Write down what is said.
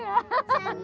ya pohon rambutan